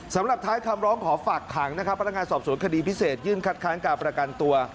สำหรับท้ายคำร้องขอฝากขังนะครับพนักงานสอบสวนคดีพิเศษยื่นคัดค้างการประกันตัว